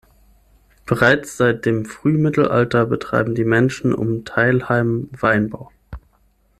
Bereits seit dem Frühmittelalter betreiben die Menschen um Theilheim Weinbau.